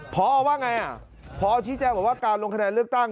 พอว่าไงพอชี้แจ้งบอกว่าการลงคะแนนเลือกตั้ง